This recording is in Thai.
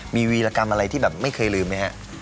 มีวีรกรรมอะไรที่แบบไม่เคยลืมไหมฮะ